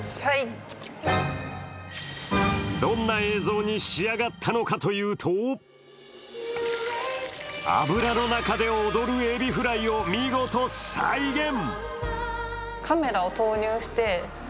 どんな映像に仕上がったのかというと油の中で踊るエビフライを見事再現。